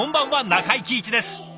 中井貴一です。